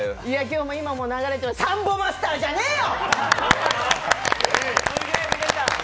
今日も今も流れてるサンボマスターじゃねえよ！